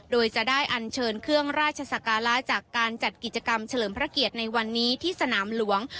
โดยจะได้อันเชิญเครื่องราชสการะจากการจัดกิจกรรมเฉลิมพระเกียรติในวันนี้ที่สนามหลวง